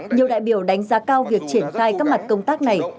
nhiều đại biểu đánh giá cao việc triển khai các mặt công tác này